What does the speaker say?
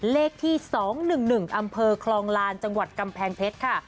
เลขที่๒๑๑อำเภอคลองลานจังหวัดกำแพงเพชรค่ะ